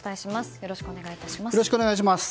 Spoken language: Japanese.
よろしくお願いします。